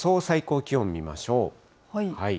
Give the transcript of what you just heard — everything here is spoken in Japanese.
最高気温見ましょう。